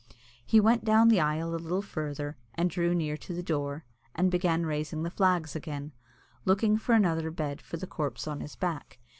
He went down the aisle a little further, and drew near to the door, and began raising the flags again, looking for another bed for the corpse on his back.